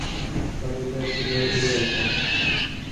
তালিকায় ছিল এই আইটেমও।